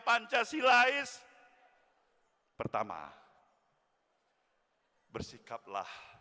bangsa dan negara